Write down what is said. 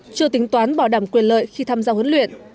chưa tính toán bảo đảm quyền lợi khi tham gia huấn luyện